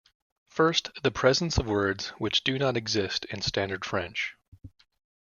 First, the presence of words which do not exist in standard French.